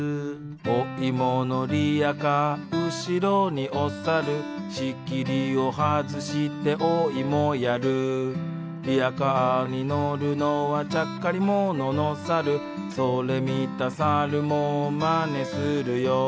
おいものリヤカー後ろにおさる仕切りを外しておいもやるリヤカーに乗るのはちゃっかり者のさるそれ見たさるもまねするよ